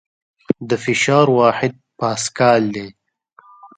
د فشار واحد پاسکال دی.